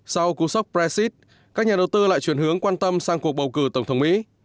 sau cú sốc brexit các nhà đầu tư lại chuyển hướng quan tâm sang cuộc bầu cử tổng thống mỹ